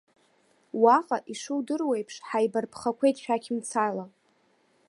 Уаҟа, ишудыруеиԥш, ҳаибарԥхақәеит шәақьымцала.